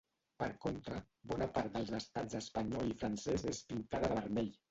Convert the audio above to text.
Per contra, bona part dels estats espanyol i francès és pintada de vermell.